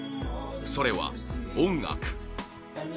それは、音楽